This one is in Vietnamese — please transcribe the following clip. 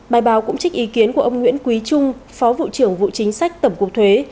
bài báo cũng trích ý kiến của ông nguyễn quý trung phó vụ trưởng vụ chính sách tổng cục thuế